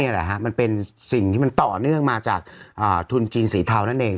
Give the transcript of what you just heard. แหละฮะมันเป็นสิ่งที่มันต่อเนื่องมาจากทุนจีนสีเทานั่นเอง